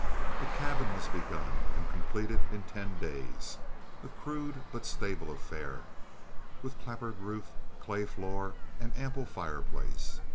A cabin was begun and completed in ten days, a crude but stable affair, with clapboard roof, clay floor, and ample fireplace.